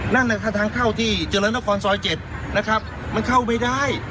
นั่นแหละทางเข้าที่เจรนคอนซอยเจ็ดนะครับมันเข้าไม่ได้